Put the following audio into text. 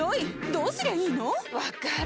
どうすりゃいいの⁉分かる。